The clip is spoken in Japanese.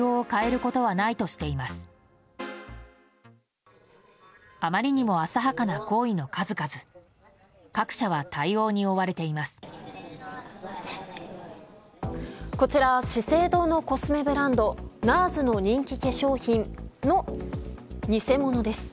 こちら資生堂のコスメブランドＮＡＲＳの人気化粧品の偽物です。